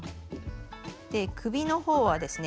首のほうはですね